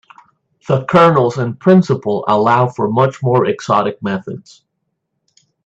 The kernels in principle allow for much more exotic methods.